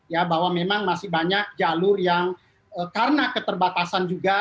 ya bahwa memang masih banyak jalur yang karena keterbatasan juga